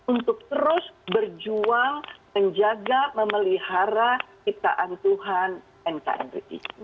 untuk terus berjuang menjaga memelihara ciptaan tuhan nkri